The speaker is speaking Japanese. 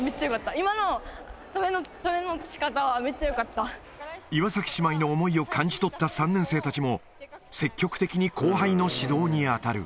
今の止めのしかたはめ岩崎姉妹の思いを感じ取った３年生たちも、積極的に後輩の指導に当たる。